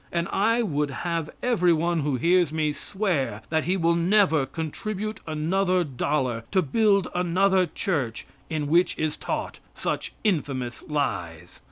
And I would have everyone who hears me, swear that he will never contribute another dollar to build another church in which is taught such infamous lies.